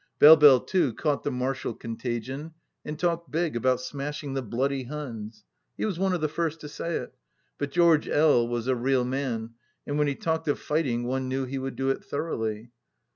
Belle Belle, too, caught the martial contagion, and talked big about " smashing the b y Hims." He was one of the first to say it. But George L. was a real man, and when he talked of fighting one faiew he would do it thoroughly.